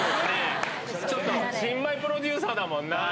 ちょっと新米プロデューサーだもんな。